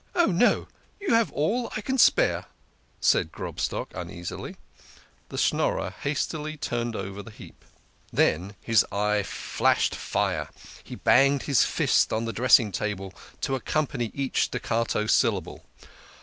"Oh, no you have all I can spare there," said Grob stock uneasily. The Schnorrer hastily turned over the heap. Then his eye flashed fire ; he banged his fist on the dressing table to accompany each staccato syllable.